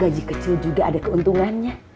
gaji kecil juga ada keuntungannya